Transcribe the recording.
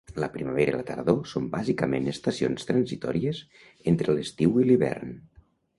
La primavera i la tardor són bàsicament estacions transitòries entre l'estiu i l'hivern.